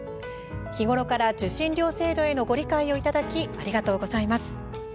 日頃から受信料制度へのご理解をいただきありがとうございます。